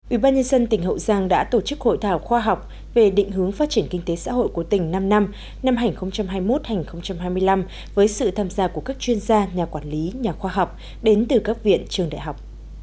ubnd tỉnh hậu giang đã tổ chức hội thảo khoa học về định hướng phát triển kinh tế xã hội của tỉnh năm năm năm năm năm hai nghìn hai mươi một hai nghìn hai mươi năm với sự tham gia của các chuyên gia nhà quản lý nhà khoa học đến từ các viện trường đại học